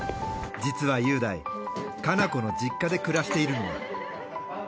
実は雄大華菜子の実家で暮らしているのだ。